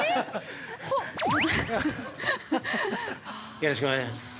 よろしくお願いします。